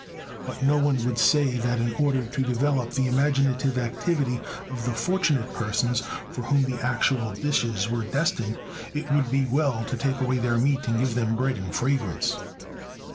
But no one would say that in order to develop the imaginative activity of the fortunate persons for whom the actual dishes were destined, it would be well to take away their meat and give them bread and fragrance.